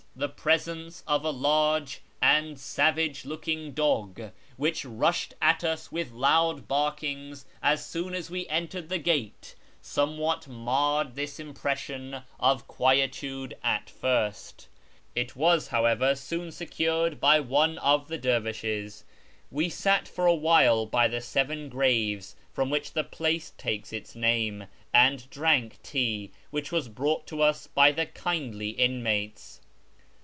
The presence of a large and savage looking 286 A YEAR AMONGST THE PERSIANS dog, whicli rushed at us with loud barkings as soon as we entered tlie gate, somewhat marred tliis impression of quietude at tirst : it was, however, soon secured by one of tlie dervislies. AVe sat for a while by the seven graves from which the place takes its name, and drank tea, which was brouglit to us by the kindly inmates.